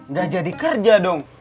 nggak jadi kerja dong